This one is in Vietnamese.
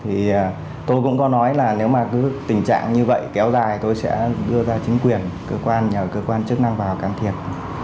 thì tôi cũng có nói là nếu mà cứ tình trạng như vậy kéo dài tôi sẽ đưa ra chính quyền cơ quan cơ quan chức năng vào can thiệp